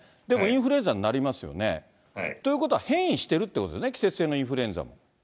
でもインフルエンザになりますよね。ということは、変異してるっていうことですね、季節性のインフルエンザも。